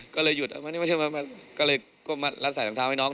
ก็เลยหยุดมานี่มานี่มานี่ก็เลยก็มาลัดสายรองเท้าให้น้อง